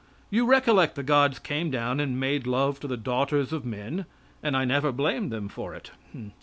You recollect the gods came down and made love to the daughters of men and I never blamed them for it.